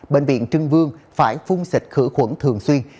bệnh viện trưng vương phải phun xịt khử khuẩn thường xuyên